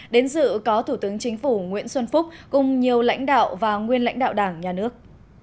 đến dự có thủ tướng chính phủ nguyễn xuân phúc cùng nhiều lãnh đạo và nguyên lãnh đạo đảng nhà nước